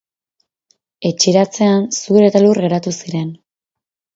Etxeratzean, zur eta lur geratu ziren.